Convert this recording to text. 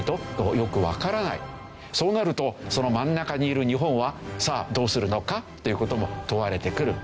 そうなるとその真ん中にいる日本はさあどうするのか？という事も問われてくる。